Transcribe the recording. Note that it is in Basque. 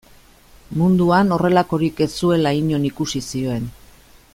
Munduan horrelakorik ez zuela inon ikusi zioen.